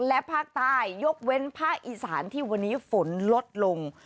และภาคใต้ยกเว้นภาคอีสานที่วันนี้ฝนลดลง